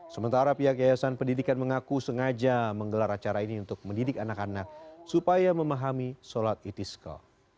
sementara pihak yayasan pendidikan mengaku sengaja menggelar acara ini untuk mendidik anak anak supaya memahami sholat itisko